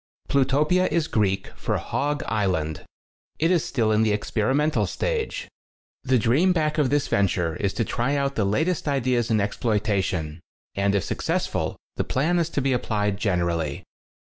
Plutopia is Greek for Hog: Island. It is still in the experimental stag'e. The dream back of this venture is to try out the latest ideas in exploita tion, and if successful the plan is to be applied generally.